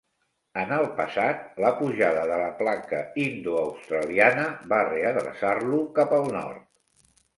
En el passat, la pujada de la placa indoaustraliana va readreçar-lo cap al nord.